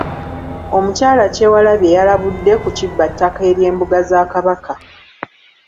Omukyala Kywalabye yalabudde ku kibbattaka ery’embuga za Kabaka.